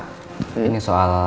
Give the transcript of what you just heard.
kita bisa kembali ke rumah